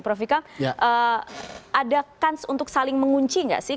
prof vika ada kans untuk saling mengunci nggak sih